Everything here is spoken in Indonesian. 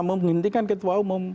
mengintikan ketua umum